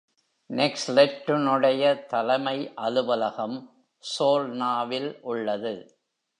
நெக்ஸ்ட்லெட்- னுடைய தலைமை அலுவலகம் சோல்னாவில் உள்ளது.